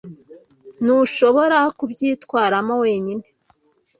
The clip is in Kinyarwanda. Ntushobora kubyitwaramo wenyine.